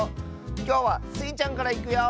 きょうはスイちゃんからいくよ！